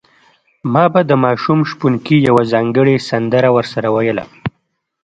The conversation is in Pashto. ما به د ماشوم شپونکي یوه ځانګړې سندره ورسره ویله.